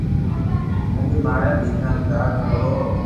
ھون بي ماري ئيتا ني پيار ڪرو ھون